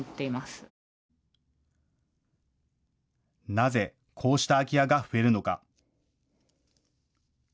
なぜ、こうした空き家が増えるのか。